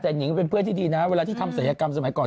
แต่นิงเป็นเพื่อนที่ดีนะเวลาที่ทำศัยกรรมสมัยก่อน